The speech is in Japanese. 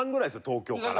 東京から。